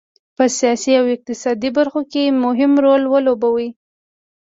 په سیاسي او اقتصادي برخو کې مهم رول ولوبوي.